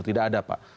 tidak ada pak